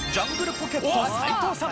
ポケット斉藤さん